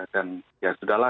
dan ya sudah lah